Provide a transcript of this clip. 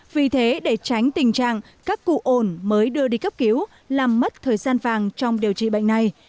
vì thế để tránh tình trạng các cụ ổn mới đưa đi cấp cứu làm mất thời gian vàng trong điều trị bệnh này